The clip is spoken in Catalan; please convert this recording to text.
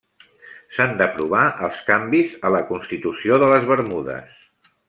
S'han d'aprovar els canvis a la Constitució de les Bermudes.